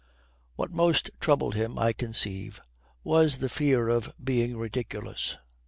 What most troubled him, I conceive, was the fear of being ridiculous.